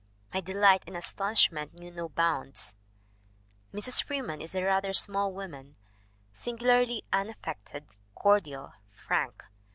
"My delight and astonishment knew no bounds." Mrs. Freeman is a rather small woman, singularly unaffected, cordial, frank.